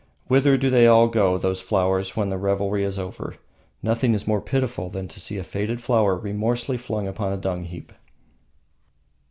Whither do they all go, these flowers, when the revelry is over? Nothing is more pitiful than to see a faded flower remorselessly flung upon a dung heap.